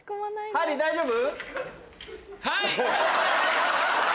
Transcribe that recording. ハリー大丈夫？